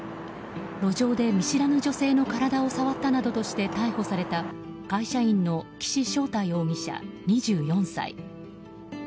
路上で見知らぬ女性の体を触ったなどとして逮捕された会社員の岸正太容疑者、２４歳。